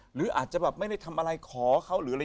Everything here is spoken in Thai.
หรืออาจจะแบบไม่ได้ทำอะไรขอเขา